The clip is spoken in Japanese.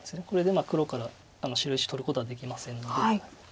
これで黒から白石取ることはできませんので。